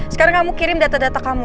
sekarang kamu kirim data data kamu